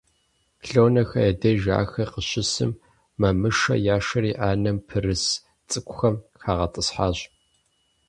Лонэхэ я деж ахэр къыщысым, Мамышэ яшэри Ӏэнэм пэрыс цӀыкӀухэм хагъэтӀысхьащ.